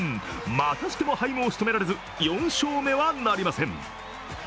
またしてもハイムをしとめられず、４勝目はなりません。